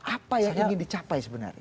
apa yang ingin dicapai sebenarnya